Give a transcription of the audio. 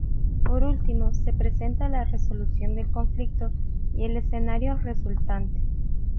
Por último se presenta la resolución del conflicto, y el escenario resultante.